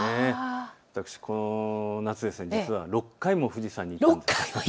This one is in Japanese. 私、この夏、実は６回も富士山に登ったんです。